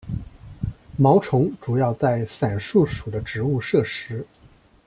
毛虫主要在伞树属的植物摄食。